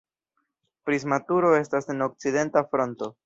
Prisma turo estas en okcidenta fronto.